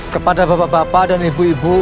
kepada bapak bapak dan ibu ibu